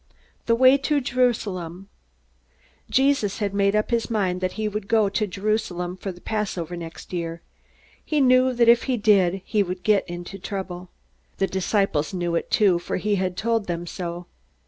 The Way to Jerusalem Jesus had made up his mind that he would go to Jerusalem for the Passover next year. He knew that if he did he would get into trouble. The disciples knew it too, for he had told them so.